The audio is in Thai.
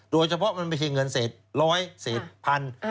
โดยเฉพาะมันไม่ใช่เงินเศษร้อยเศษพัน